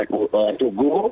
hari hari untuk guru